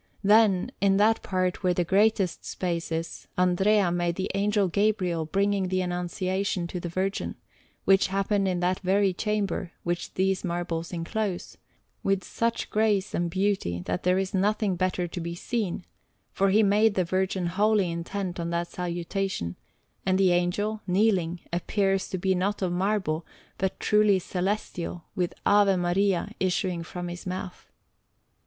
Then, in that part where the greatest space is, Andrea made the Angel Gabriel bringing the Annunciation to the Virgin which happened in that very chamber which these marbles enclose with such grace and beauty that there is nothing better to be seen, for he made the Virgin wholly intent on that Salutation, and the Angel, kneeling, appears to be not of marble, but truly celestial, with "Ave Maria" issuing from his mouth.